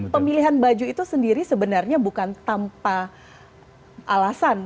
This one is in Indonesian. jadi pemilihan baju itu sendiri sebenarnya bukan tanpa alasan